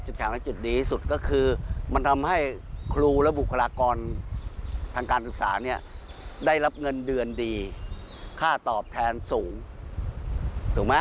ถามและจุดนี้สุดก็คือมันทำให้ครูและบุคลากรทางการศึกษาเนี่ยได้รับเงินเดือนดีค่าตอบแทนสูงถูกไหม